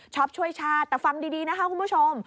ช่วยชาติแต่ฟังดีนะคะคุณผู้ชม